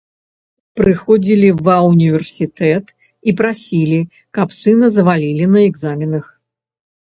Прыходзілі ва ўніверсітэт і прасілі, каб сына завалілі на экзаменах.